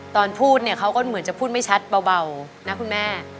ตอนพูดเนี่ยเขาก็เหมือนจะพูดไม่ชัดเบานะคุณแม่